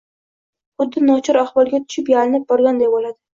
Xuddi nochor ahvolga tushib, yalinib borganday bo`ladi